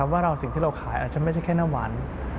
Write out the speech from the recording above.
ว่าสิ่งที่เราขายอาจจะไม่ใช่แค่น้ำหวาน